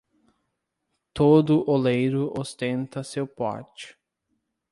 Todo oleiro ostenta seu pote.